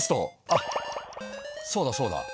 あっそうだそうだ。